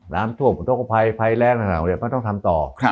น้ำทั่วผลตกภัยภัยแรงขนาดนี้มันต้องทำต่อ